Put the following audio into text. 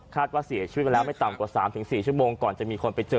ว่าเสียชีวิตมาแล้วไม่ต่ำกว่า๓๔ชั่วโมงก่อนจะมีคนไปเจอ